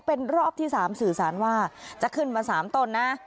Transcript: เป็นรอบที่๓สื่อสารว่าจะขึ้นมา๓ต้นนะ